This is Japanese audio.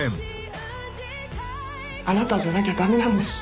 「あなたじゃなきゃ駄目なんです」